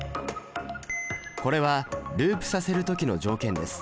これはループさせる時の条件です。